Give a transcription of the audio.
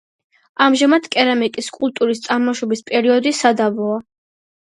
ამჟამად კერამიკის კულტურის წარმოშობის პერიოდი სადავოა.